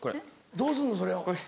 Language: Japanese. どうすんのそれを。